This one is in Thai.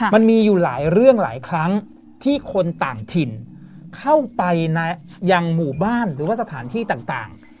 มันมีอยู่หลายเรื่องหลายครั้งที่คนต่างถิ่นเข้าไปยังหมู่บ้านหรือว่าสถานที่ต่าง